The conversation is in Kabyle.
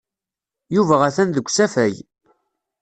Yuba atan deg usafag.